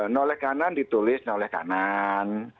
noleh kanan ditulis noleh kanan